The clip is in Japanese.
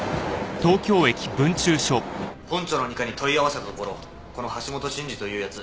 本庁の二課に問い合わせたところこの橋本慎二という奴